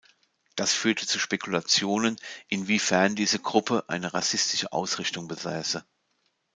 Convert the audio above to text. Das führte zu Spekulationen, inwiefern diese Gruppe eine rassistische Ausrichtung besäße.